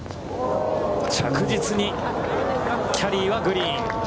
着実にキャリーはグリーン。